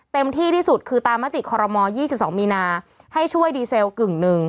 ที่ที่สุดคือตามมติคอรมอล๒๒มีนาให้ช่วยดีเซลกึ่งหนึ่ง